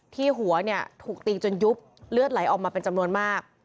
หัวเนี่ยถูกตีจนยุบเลือดไหลออกมาเป็นจำนวนมาก